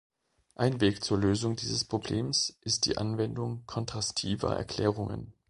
Ein Weg zur Lösung dieses Problems ist die Anwendung kontrastiver Erklärungen.